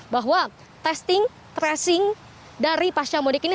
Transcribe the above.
bahwa testing tracing dari pasca mudik ini